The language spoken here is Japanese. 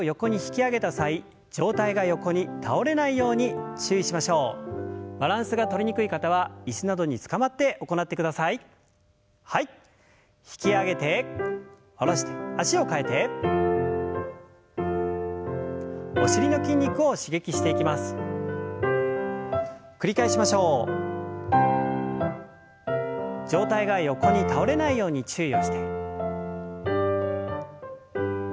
上体が横に倒れないように注意をして。